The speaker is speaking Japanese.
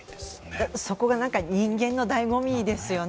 そこが人間のだいご味ですよね。